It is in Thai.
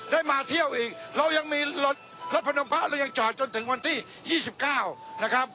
ได้มาเที่ยวอีกเรายังมีรถพนมพระเรายังจอดจนถึงวันที่๒๙นะครับ